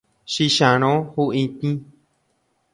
Chicharõ huʼitĩ.